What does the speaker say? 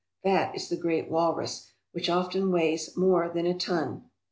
That is the great walrus, which often weighs more than a ton.